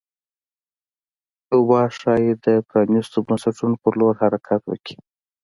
کیوبا ښايي د پرانیستو بنسټونو په لور حرکت وکړي.